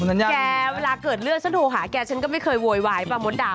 เกลอเกินเรื่องตรงการที่ฉันโทรหาแกฉันก็ไม่เคยโวยวายกลางมดดำ